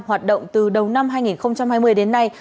hoạt động từ đầu năm hai nghìn hai mươi đến nay